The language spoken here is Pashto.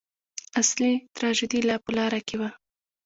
اصلي تراژیدي لا په لاره کې وه.